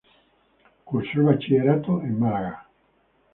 Cursó el Bachillerato en Málaga.